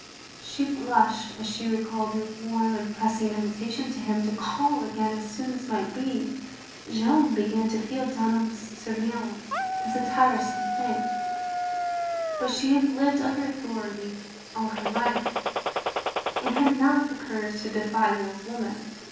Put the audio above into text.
She blushed as she recalled her warm and pressing invitation to him to call again as soon as might be. Jeanne began to feel Dunham's surveillance a tiresome thing; but she had lived under authority all her life, and had not the courage to defy the old woman.